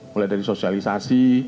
mulai dari sosialisasi